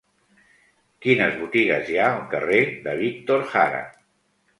Quines botigues hi ha al carrer de Víctor Jara?